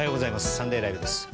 「サンデーＬＩＶＥ！！」です。